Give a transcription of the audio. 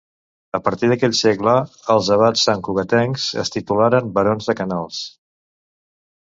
A partir d'aquell segle, els abats santcugatencs es titularen barons de Canals.